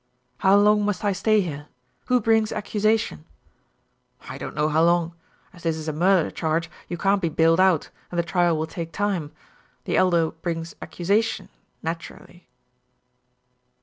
"How long must I stay here? Who brings accusation?" "I don't know how long: as this is a murder charge you can't be bailed out, and the trial will take time. The Elder brings accusation naturally."